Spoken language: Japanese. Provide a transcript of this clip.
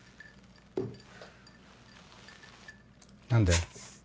何で？